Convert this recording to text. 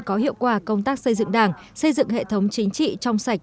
có hiệu quả công tác xây dựng đảng xây dựng hệ thống chính trị trong sạch